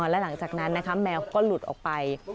และหลังจากนั้นนะคะแมวก็หลุดออกไป